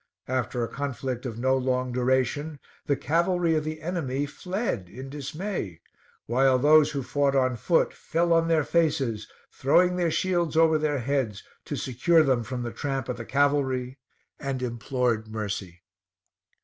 After a conflict of no long duration, the cavalry of the enemy fled in dismay, while those who fought on foot fell on their faces, throwing their shields over their heads to secure them from the tramp of the cavalry, and implored mercy.